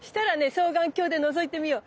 双眼鏡でのぞいてみよう。